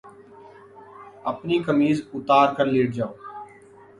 أپنی قمیض اُتار کر لیٹ جاؤ